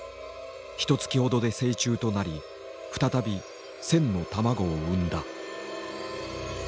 ひとつきほどで成虫となり再び１，０００の卵を産んだ。